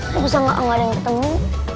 gak bisa gak ada yang ketemu